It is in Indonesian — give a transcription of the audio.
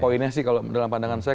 sebenarnya sih dalam pandangan saya